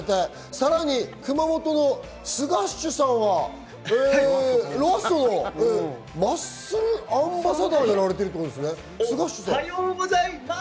さらに熊本のスガッシュ☆さんはロアッソのマッスルアンバサダーをやられているということですね。